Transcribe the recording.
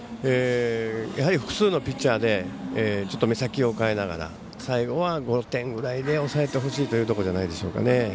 やはり複数のピッチャーでちょっと目先を変えながら最後は５点ぐらいで抑えてほしいというところじゃないでしょうかね。